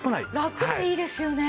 ラクでいいですよね。